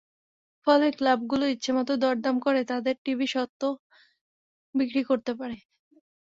ফলে ক্লাবগুলো ইচ্ছেমতো দরদাম করে তাঁদের টিভি স্বত্ব বিক্রি করতে পারে।